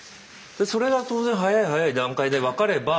それが当然早い早い段階で分かれば。